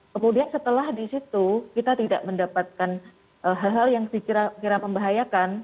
kemudian setelah di situ kita tidak mendapatkan hal hal yang dikira membahayakan